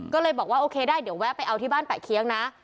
ก็เลยบอกว่าโอเคได้เดี๋ยวแวะไปเอาที่บ้านแปะเคี้ยงนะ